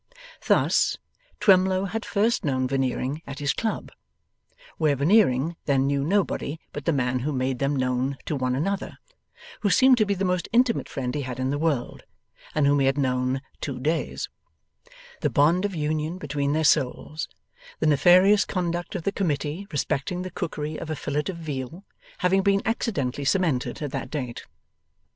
Thus. Twemlow had first known Veneering at his club, where Veneering then knew nobody but the man who made them known to one another, who seemed to be the most intimate friend he had in the world, and whom he had known two days the bond of union between their souls, the nefarious conduct of the committee respecting the cookery of a fillet of veal, having been accidentally cemented at that date.